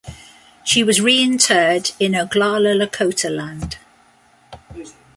She was reinterred in Oglala Lakota land.